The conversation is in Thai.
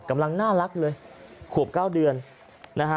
กำลังน่ารักเลยขวบ๙เดือนนะฮะ